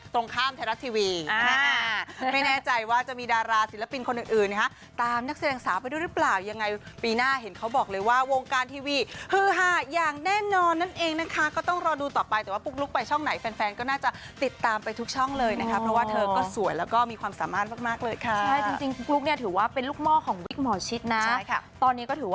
ตรงข้ามไทยรัฐทีวีไม่แน่ใจว่าจะมีดาราศิลปินคนอื่นตามนักแสดงสาไปด้วยหรือเปล่ายังไงปีหน้าเห็นเขาบอกเลยว่าวงการทีวีฮือหาอย่างแน่นอนนั่นเองนะคะก็ต้องรอดูต่อไปแต่ว่าปุ๊กลุ๊กไปช่องไหนแฟนก็น่าจะติดตามไปทุกช่องเลยนะครับเพราะว่าเธอก็สวยแล้วก็มีความสามารถมากเลยค่ะใช่จริงปุ๊